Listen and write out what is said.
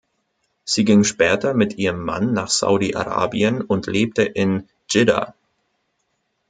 Sie ging später mit ihrem Mann nach Saudi-Arabien und lebte in Dschidda.